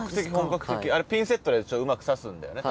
あれピンセットでうまく刺すんだよね